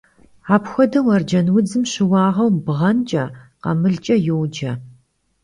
Apxuedeu arcenudzım şıuağeu bğenç'e, khamılç'e yoce.